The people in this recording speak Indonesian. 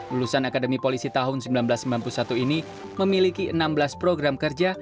lulusan akademi polisi tahun seribu sembilan ratus sembilan puluh satu ini memiliki enam belas program kerja